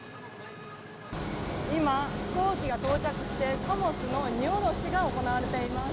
今、飛行機が到着して貨物の荷下ろしが行われています。